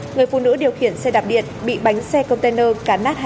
người phụ nữ điều khiển xe đạp điện bị bánh xe container cá nát hai chân